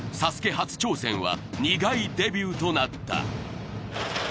初挑戦は苦いデビューとなった。